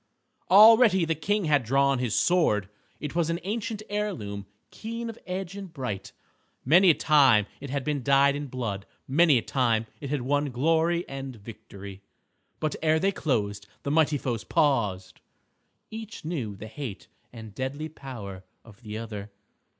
Already the King had drawn his sword. It was an ancient heirloom, keen of edge and bright. Many a time it had been dyed in blood; many a time it had won glory and victory. But ere they closed, the mighty foes paused. Each knew the hate and deadly power of the other.